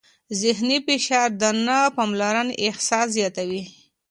ذهني فشار د نه پاملرنې احساس زیاتوي.